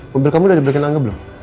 mobil kamu udah diberikan angga belum